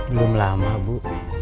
belum lama bu